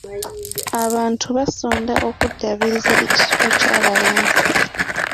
Abantu basonda okuddaabiriza ekisulo ky'abalenzi.